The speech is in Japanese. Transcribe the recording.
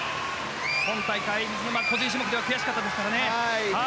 今大会水沼、個人種目では悔しかったですからね。